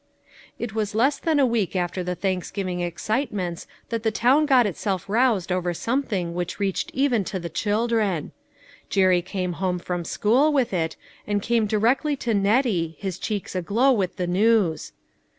It was less than a week after the Thanksgiv ing excitements that the town got itself roused over something which reached even to the chil dren. Jerry came home from school with it, and came directly to Nettie, his cheeks aglow with the news.